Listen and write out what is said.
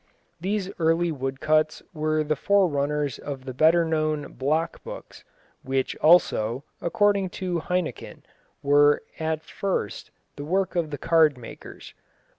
These early woodcuts were the forerunners of the better known block books, which also, according to Heinecken, were at first the work of the card makers.